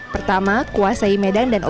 pertama kuasai medan berhasil